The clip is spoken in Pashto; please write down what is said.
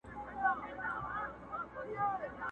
زه که نه سوم ته، د ځان په رنګ دي کم!